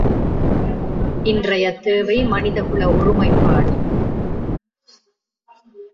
இன்றையத் தேவை மனிதகுல ஒருமைப்பாடு.